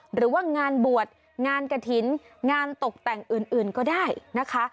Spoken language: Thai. หรือว่างานบวชงานกระถิ่นงานตกแต่งอื่นก็ได้นะคะ